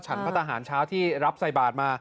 พระทหารเช้าที่รับใส่บาทมา